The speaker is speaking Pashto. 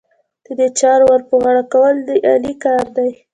د دې چارې ور پر غاړه کول، د علي کار دی.